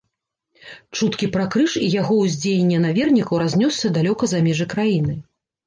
Чуткі пра крыж і яго ўздзеянне на вернікаў разнёсся далёка за межы краіны.